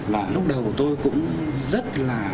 là lúc đầu tôi cũng rất là